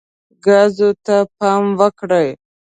ګازو ته پام وکړئ.